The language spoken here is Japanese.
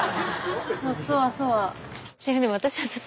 もうそわそわ。